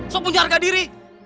so punya harga diri